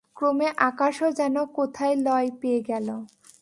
ক্রমে আকাশও যেন কোথায় লয় পেয়ে গেল।